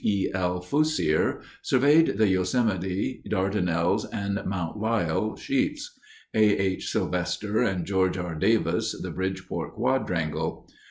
E. L. Feusier surveyed the Yosemite, Dardanelles, and Mount Lyell sheets; A. H. Sylvester and George R. Davis, the Bridgeport Quadrangle.